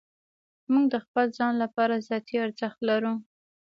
موږ د خپل ځان لپاره ذاتي ارزښت لرو.